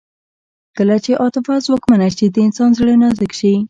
کله چې عاطفه ځواکمنه شي د انسان زړه نازک شي